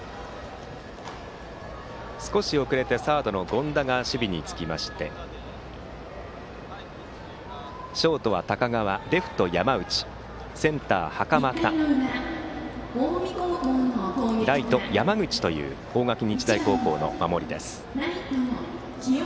少し遅れてサードの権田が守備につきましてショートは高川、レフトは山内センター、袴田ライト、山口という大垣日大高校の守りです。